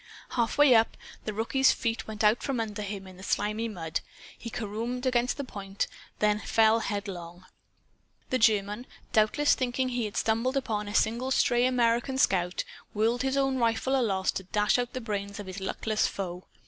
Half way up, the rookie's feet went out from under him in the slimy mud. He caromed against the point, then fell headlong. The German, doubtless thinking he had stumbled upon a single stray American scout, whirled his own rifle aloft, to dash out the brains of his luckless foe.